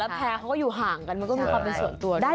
แพร่เขาก็อยู่ห่างกันมันก็มีความเป็นส่วนตัวด้วย